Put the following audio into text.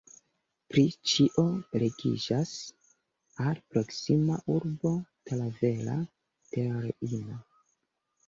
Pri ĉio ligiĝas al proksima urbo Talavera de la Reina.